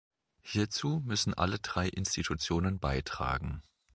Hierzu müssen alle drei Institutionen beitragen.